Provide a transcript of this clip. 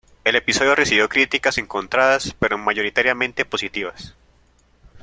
El episodio recibió críticas encontradas, pero mayoritariamente positivas.